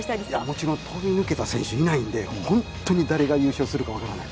もちろん飛び抜けた選手がいないんで、本当に誰が優勝するか分からない。